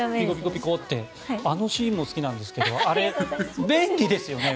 あのシーンも好きなんですけどあれ、便利ですよね。